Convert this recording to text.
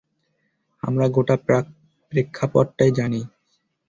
আমরা গোটা প্রেক্ষাপটটাই জানি।